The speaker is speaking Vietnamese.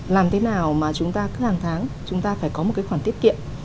làm thế nào mà chúng ta cứ hàng tháng chúng ta phải có một cái khoản tiết kiệm